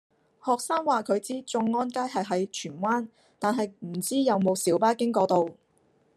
學生話佢知眾安街係喺荃灣，但係唔知有冇小巴經嗰度